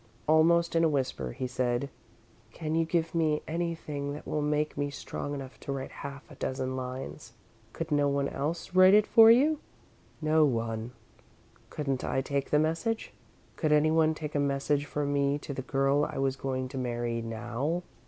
Almost in a whisper he said: "Can you give me anything that will make me strong enough to write half a dozen lines?" "Could no one else write it for you?" "No one." "Couldn't I take the message?" "Could anyone take a message for me to the girl I was going to marry now?"